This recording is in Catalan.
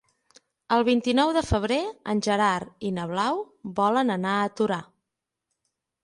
El vint-i-nou de febrer en Gerard i na Blau volen anar a Torà.